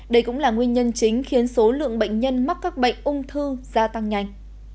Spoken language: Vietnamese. đây cũng là nguyên nhân chính khiến số lượng bệnh nhân mắc các bệnh ung thư gia tăng nhanh